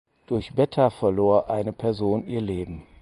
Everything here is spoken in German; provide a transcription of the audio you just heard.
Durch Beta verlor eine Person ihr Leben.